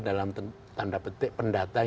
dalam tanda petik pendatang